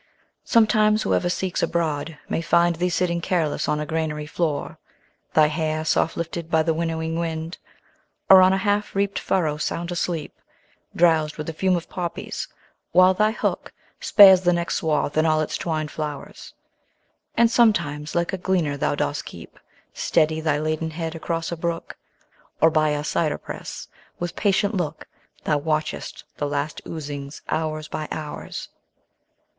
Sometimes whoever seeks abroad may find Thee sitting careless on a granary floor, Thy hair soft lifted by the winnowing wind; Or on a half reap'd furrow sound asleep, Drows'd with the fume of poppies, while thy hook Spares the next swath and all its twined flowers: And sometimes like a gleaner thou dost keep Steady thy laden head across a brook; 20 Or by a cyder press, with patient look, Thou watchest the last oozings hours by hours.